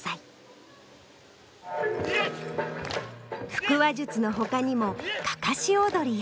腹話術の他にもかかし踊りや。